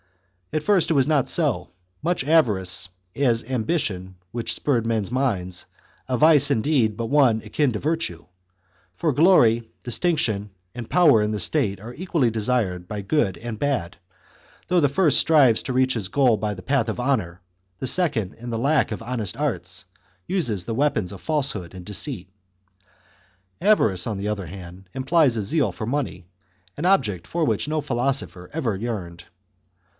At first it was not so chap. xi. much avarice as ambition which spurred men's minds, a vice, indeed, but one akin to virtue. For glory, distinction, and power in the state are equally desired by good and bad, though the first strives to reach his goal by the path of honour, the second, in the lack of honest arts, uses the weapons of falsehood and deceit. Avarice, on the other hand, implies a zeal for money, an object for which no philosopher ever yearned.